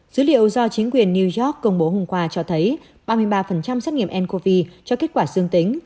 dữ liệu do chính quyền new york công bố hôm qua cho thấy ba mươi ba xét nghiệm ncov cho kết quả dương tính